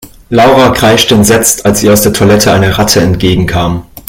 Laura kreischte entsetzt, als ihr aus der Toilette eine Ratte entgegenkam.